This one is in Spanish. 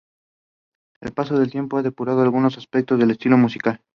El paso del tiempo ha depurado algunos aspectos de su estilo musical.